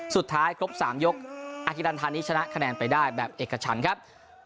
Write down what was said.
สุดท้ายครบสามยกอากิรันทานีชนะคะแนนไปได้แบบเอกชันครับ